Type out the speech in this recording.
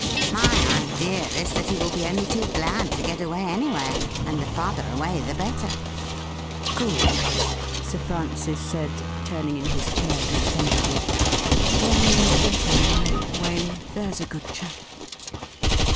My idea is that he wUl be only too glad to get away anywhere, and the farther awav the better.' 2U THE RIDDLE RING ' Good,' Sir Francis said, turning in his chair contentedly. ' Then, get him away, Waley, there's a good chap.'